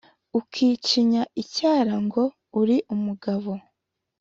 ukicinya icyara ngo uri umugabo